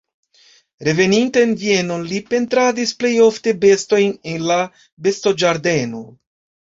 Reveninta en Vienon li pentradis plej ofte bestojn en la bestoĝardeno.